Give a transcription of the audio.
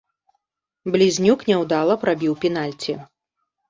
Блізнюк няўдала прабіў пенальці.